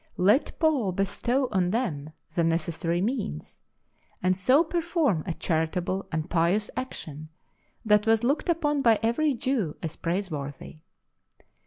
Let Paul bestow on them the necessary means, and so perform a charitable and pious action that was looked upon by every Jew as praise o worthy.